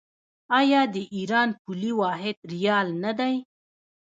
آیا د ایران پولي واحد ریال نه دی؟